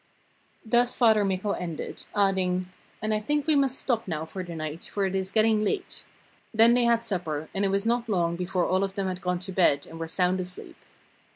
Thus Father Mikko ended, adding: 'And I think we must stop now for the night, for it is getting late.' Then they had supper, and it was not long before all of them had gone to bed and were sound asleep.